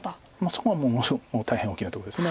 そこはもうもちろん大変大きなとこです。